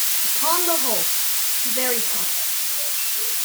Upon the whole, very proper.